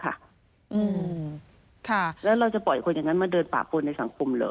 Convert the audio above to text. ค่ะแล้วเราจะปล่อยคนอย่างนั้นมาเดินป่าปนในสังคมเหรอ